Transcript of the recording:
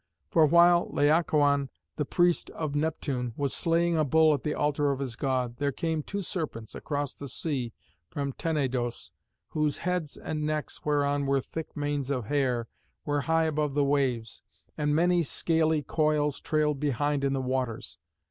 For while Laocoön, the priest of Neptune, was slaying a bull at the altar of his god, there came two serpents across the sea from Tenedos, whose heads and necks, whereon were thick manes of hair, were high above the waves, and many scaly coils trailed behind in the waters.